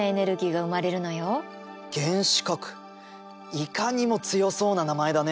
いかにも強そうな名前だね。